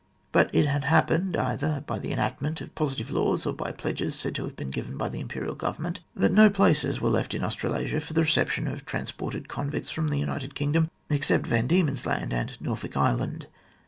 But it had happened, either by the enactment of positive laws or by pledges said to have been given by the Imperial Government, that no places were left in Australasia for the reception of transported convicts from the United Kingdom except Van Diemen's Land and .Norfolk Island.